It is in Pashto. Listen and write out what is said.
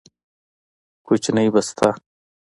کوچنۍ بسته